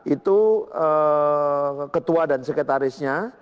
itu ketua dan sekretarisnya